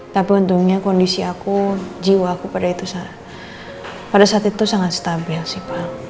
tapi untungnya kondisi aku jiwaku pada itu pada saat itu sangat stabil sih pak